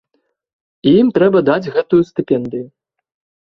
І ім трэба даць гэтую стыпендыю.